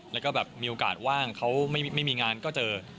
แล้วก็แบบมีโอกาสว่างเขาไม่มีงานก็เจอ